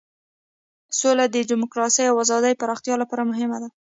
سوله د دموکراسۍ او ازادۍ پراختیا لپاره مهمه ده.